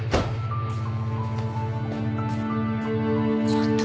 ちょっと。